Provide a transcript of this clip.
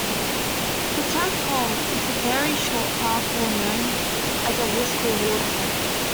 The tenth hole is a very short par four known as a risk-reward hole.